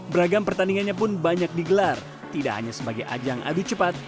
beragam pertandingannya pun banyak digelar tidak hanya sebagai ajang adu cepat